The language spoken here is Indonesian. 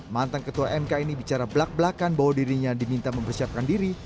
mantan ketua mk ini bicara belak belakan bahwa dirinya diminta mempersiapkan diri